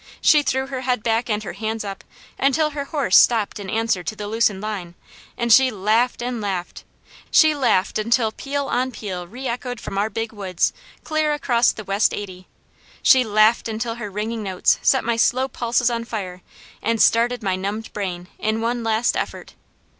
She threw her head back and her hands up, until her horse stopped in answer to the loosened line, and she laughed and laughed. She laughed until peal on peal re echoed from our Big Woods clear across the west eighty. She laughed until her ringing notes set my slow pulses on fire, and started my numbed brain in one last effort.